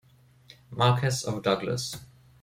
Marquess of Douglas.